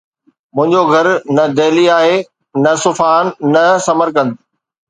منهنجو گهر نه دهلي آهي نه صفحان نه سمرقند